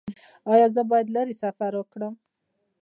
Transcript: ایا زه باید لرې سفر وکړم؟